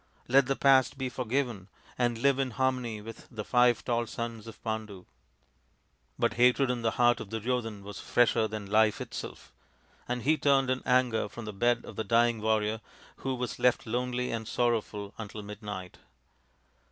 Let the past be forgiven and live in harmony with the five tall sons of Pandu." But hatred in the heart of Duryodhan was fresher than life itself, and he turned in anger from the bed of the dying warrior, who was left lonely and sorrowful until midnight.